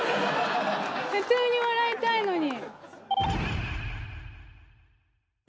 普通に笑いたいのに。